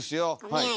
はい。